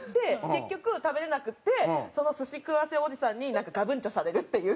結局食べれなくてその寿司食わせおじさんになんかガブンチョされるっていう。